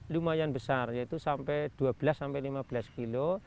lumayan besar yaitu sampai dua belas sampai lima belas kilo